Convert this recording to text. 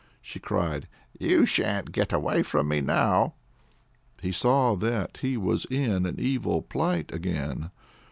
she cried. "You sha'n't get away from me now!" He saw that he was in an evil plight again.